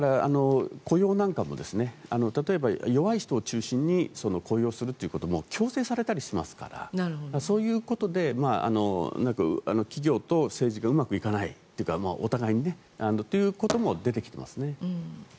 雇用なんかも例えば弱い人を中心に雇用することも強制されたりしますからそういうことで企業と政治がうまくいかないというかお互いにねということも出てきてますね。